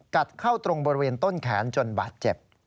กัดเข้าตรงบริเวณต้นแขนจนบาดเจ็บ